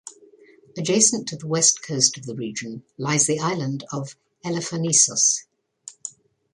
Adjacent to the west coast of the region lies the island of Elafonisos.